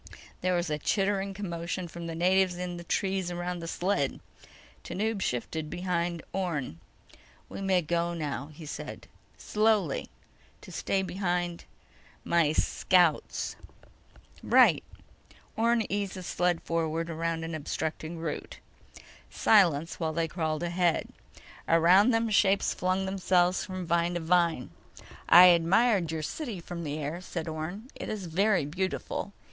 There was a chittering commotion from the natives in the trees around the sled. Tanub shifted behind Orne. "We may go now," he said. "Slowly ... to stay behind my ... scouts." "Right." Orne eased the sled forward around an obstructing root. Silence while they crawled ahead. Around them shapes flung themselves from vine to vine. "I admired your city from the air," said Orne. "It is very beautiful."